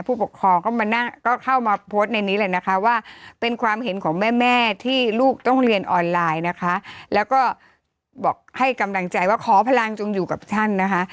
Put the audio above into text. ผู้ปกครองก็มานั่งก็เข้ามาโพสต์ในนี้เลยนะคะว่าเป็นความเห็นของแม่แม่ที่ลูกต้องเรียนออนไลน์นะคะแล้วก็บอกให้กำลังใจว่าขอพลังจงอยู่กับท่านนะคะ